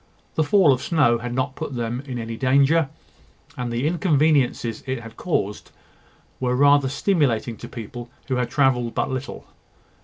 The fall of snow had not put them in any danger, and the inconveniences it had caused were rather stimulating to people who had travelled but little.